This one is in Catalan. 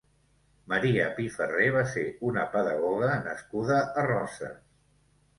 Maria Pi Ferrer va ser una pedagoga nascuda a Roses.